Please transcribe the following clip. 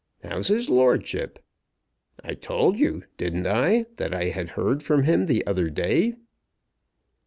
"How's his lordship? I told you, didn't I, that I had heard from him the other day?"